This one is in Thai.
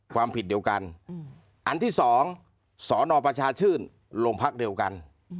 ความผิดเดียวกันอันที่๒สนประชาชื่นโรงพักเดียวกัน